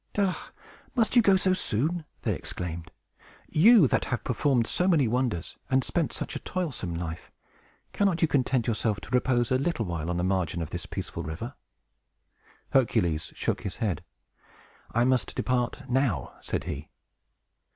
"Ah! must you go so soon?" they exclaimed. "You that have performed so many wonders, and spent such a toilsome life cannot you content yourself to repose a little while on the margin of this peaceful river?" Hercules shook his head. "I must depart now," said he.